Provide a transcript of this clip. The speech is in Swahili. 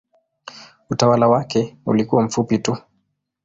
Utawala wake ulikuwa mfupi tu.